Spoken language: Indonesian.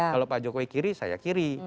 kalau pak jokowi kiri saya kiri